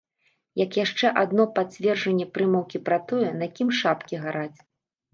Як яшчэ адно пацверджанне прымаўкі пра тое, на кім шапкі гараць.